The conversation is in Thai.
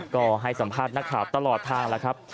ก็ให้สัมภาษณ์นักข่าวตลอดทางแล้วครับ